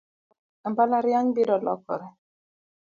Tiegruok embalariany biro lokore